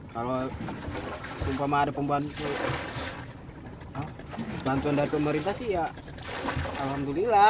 kalau sumpah mah ada bantuan dari pemerintah sih ya alhamdulillah